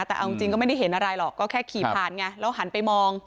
แต่เอาจริงก็ไม่ได้เห็นอะไรหรอกก็แค่ขี่ผ่านไงแล้วหันไปมอง